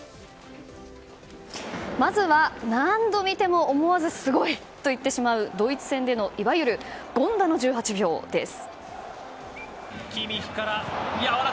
まず、何度見ても思わずすごいと言ってしまうドイツ戦でのいわゆる権田の１８秒です。